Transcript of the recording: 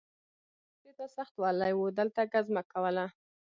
هماغه کس چې تا سخت وهلی و دلته ګزمه کوله